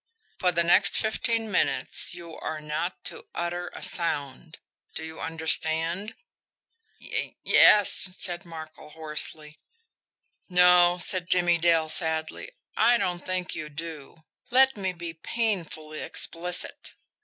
For the next fifteen minutes you are not to utter a sound. Do you understand?" "Y yes," said Markel hoarsely. "No," said Jimmie Dale sadly, "I don' think you do. Let me be painfully explicit.